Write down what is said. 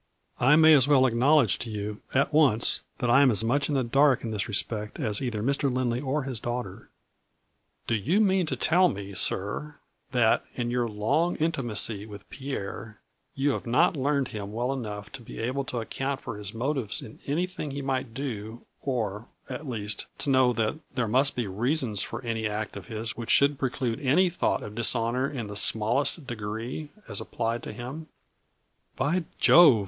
I may as well acknowledge to you, at once, that I am as much in the dark in this respect, as either Mr. Lindley or his daughter." " Do you mean to tell me, sir, that, in your long intimacy with Pierre, you have not learned him well enough to be able to account for his motives in anything he might do, or, at least, to know that there must be reasons for any act of his which should preclude any thought of dishonor in the smallest degree, as applied to him ?" A FLURRY IN DIAMONDS. 143 By Jove